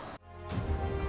từ thực tiễn